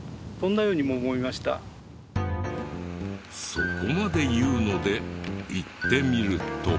そこまで言うので行ってみると。